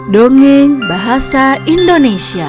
dongeng bahasa indonesia